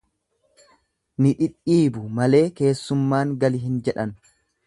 Ni dhidhiibu malee keessummaan gali hin jedhan.